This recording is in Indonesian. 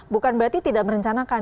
bukan berarti tidak merencanakan